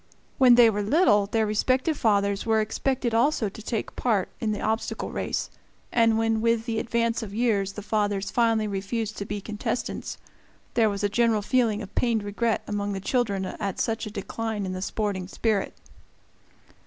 When they were little, their respective fathers were expected also to take part in the obstacle race, and when with the advance of years the fathers finally refused to be contestants, there was a general feeling of pained regret among the children at such a decline in the sporting spirit.